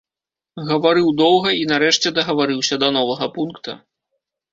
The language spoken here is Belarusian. Гаварыў доўга і нарэшце дагаварыўся да новага пункта.